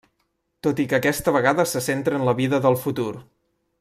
Tot i que aquesta vegada, se centra en la vida del futur.